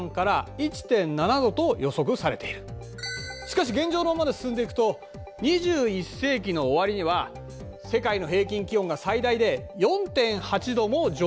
しかし現状のままで進んでいくと２１世紀の終わりには世界の平均気温が最大で４．８度も上昇すると予測されているんだ。